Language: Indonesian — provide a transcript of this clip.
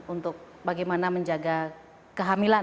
untuk bagaimana menjaga kehamilan